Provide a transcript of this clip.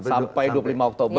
sampai dua puluh lima oktober